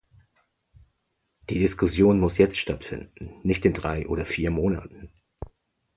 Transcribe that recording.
Die Diskussion muss jetzt stattfinden, nicht in drei oder vier Monaten.